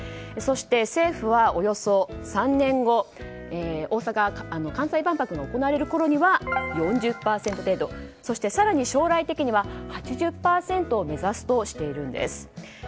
そして政府はおよそ３年後大阪・関西万博が行われるころに４０％程度そして、更に将来的には８０％を目指すとしているんです。